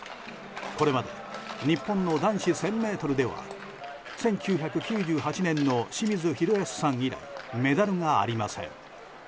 これまで日本の男子１０００ｍでは１９９８年の清水宏保さん以来メダルがありません。